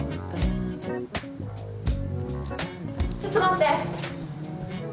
ちょっと待って！